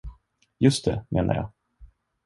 Just det, menar jag.